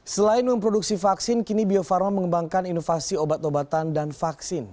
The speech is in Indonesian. selain memproduksi vaksin kini bio farma mengembangkan inovasi obat obatan dan vaksin